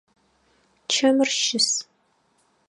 Чэмыр щыс.